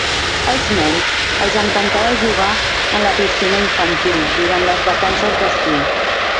Als nens els encantava jugar en la piscina infantil durant les vacances d'estiu.